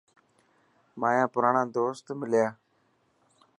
مايا پراڻا دوست مليا.